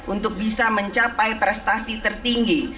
untuk bisa mencapai prestasi tertinggi